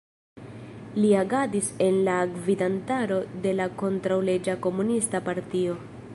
Li agadis en la gvidantaro de la kontraŭleĝa komunista partio.